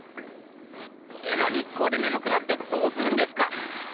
絵の日光でねむくなってどうするんですか！